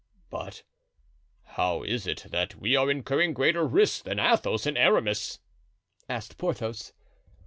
'" "But how is it that we are incurring greater risks than Athos and Aramis?" asked Porthos.